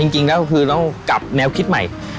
จริงแล้วคือต้องกลับแนวคิดใหม่